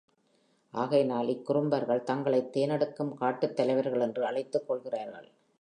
ஆகையினால் இக்குறும்பர்கள் தங்களைத் தேனெடுக்கும் காட்டுத் தலைவர்கள் என்று அழைத்துக் கொள்கிறார்கள்.